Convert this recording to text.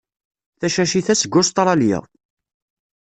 Tacacit-a seg Ustṛalya.